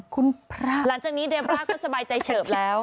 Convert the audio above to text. คุณพระหลังจากนี้เดมร่าก็สบายใจเฉิบแล้ว